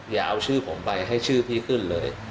อย่าเอาชื่อผมไปให้ชื่อพี่ขึ้นเลย